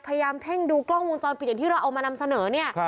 พยายามเพ่งดูกล้องวงจรปิดอย่างที่เราเอามานำเสนอเนี่ย